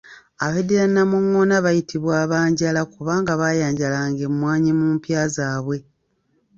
Abeddira Nnamuŋŋoona bayitibwa abanjala kubanga baayanjalanga emwaanyi mu mpya zaabwe.